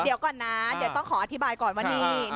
เดี๋ยวก่อนนะเดี๋ยวต้องขออธิบายก่อนว่านี่